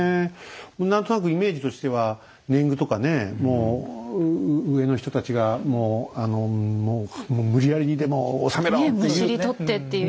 何となくイメージとしては年貢とかねもう上の人たちがもうもう無理やりにでも納めろっていう。